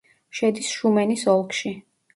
შედის შუმენის ოლქში.